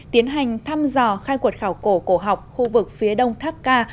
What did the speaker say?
tiến hành thăm dò khai cuộc khảo cổ cổ học khu vực phía đông tháp ca